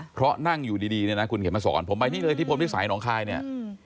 เพราะนั่งอยู่ดีเนี่ยนะคุณเขียนมาสอนผมไปนี่เลยที่ผมที่สายน้องคลายเนี่ย